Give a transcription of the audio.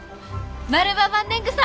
マルバマンネングサ！